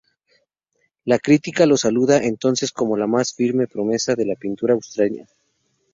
La crítica lo saluda entonces como la más firme promesa de la pintura asturiana.